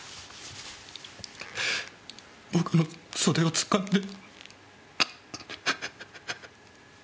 僕の袖をつかんで。